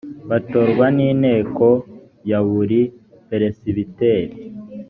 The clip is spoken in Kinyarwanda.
batorwa n inteko ya buri peresibiteri